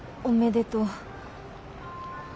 おめでとう。